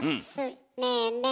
ねえねえ